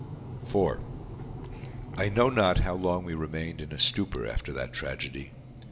I know not how long we remained in a stupor after that tragedy.